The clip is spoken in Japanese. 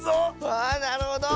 わあなるほど！